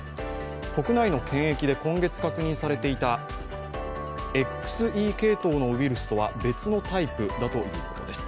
国内の検疫で今月確認されていたＸＥ系統のウイルスとは別のタイプだということです。